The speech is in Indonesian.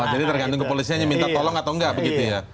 jadi tergantung kepolisiannya minta tolong atau enggak